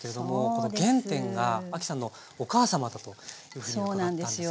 この原点が亜希さんのお母様だというふうに伺ったんですけども。